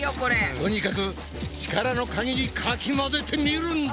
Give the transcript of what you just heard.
とにかく力のかぎりかき混ぜてみるんだ！